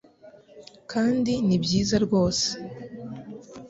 kandi ni byiza rwose.